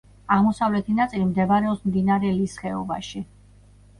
აღმოსავლეთი ნაწილი მდებარეობს მდინარე ლის ხეობაში.